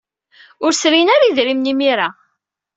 Ur srin ara idrimen imir-a.